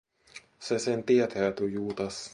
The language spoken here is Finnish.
Se sen tietää, tuo Juutas.